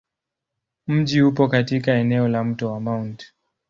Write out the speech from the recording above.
Mji upo katika eneo la Mto wa Mt.